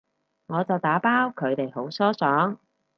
我就打包，佢哋好疏爽